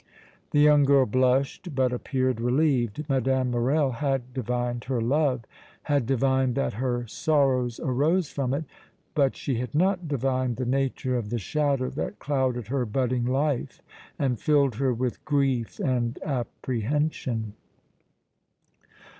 The young girl blushed, but appeared relieved. Mme. Morrel had divined her love, had divined that her sorrows arose from it, but she had not divined the nature of the shadow that clouded her budding life and filled her with grief and apprehension.